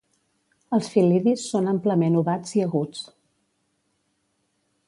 Els fil·lidis són amplament ovats i aguts.